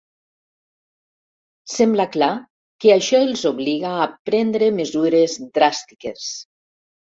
Sembla clar que això els obliga a prendre mesures dràstiques.